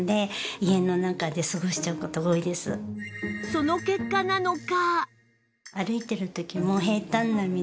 その結果なのか